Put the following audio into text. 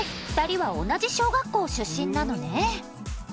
２人は同じ小学校出身なのね。